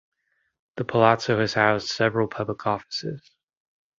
The palazzo has housed several public offices.